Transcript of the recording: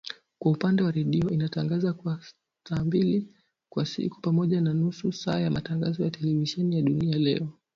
Kwa upande wa redio inatangaza kwa saa mbili kwa siku, pamoja na nusu saa ya matangazo ya televisheni ya Duniani Leo